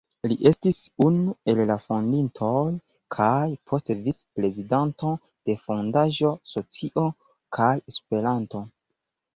Li estis unu el la fondintoj, kaj poste vicprezidanto de Fondaĵo "Socio kaj Esperanto".